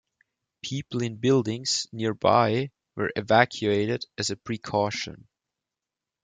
People in buildings nearby were evacuated as a precaution.